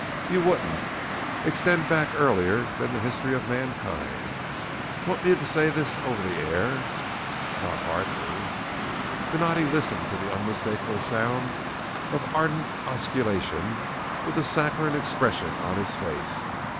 _" "You wouldn't extend back earlier than the history of Mankind. want me to say this over the air?" "Not hardly." Donatti listened to the unmistakable sounds of ardent osculation with a saccharine expression on his face.